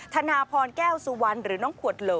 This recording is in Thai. ธนาพรแก้วสุวรรณหรือน้องขวดโหล